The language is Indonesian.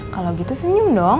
kalo gitu senyum dong